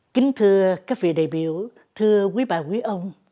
kính thưa các vị đại biểu thưa quý bà quý ông